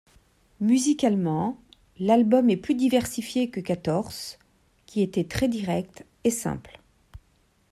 Musicalement, l'album est plus diversifié que Katorz qui était très direct et simple.